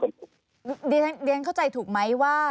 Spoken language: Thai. คือเรนเข้าใจถูกไหมว่า